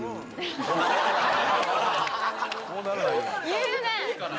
言うね！